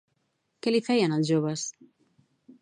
Què li feien els joves?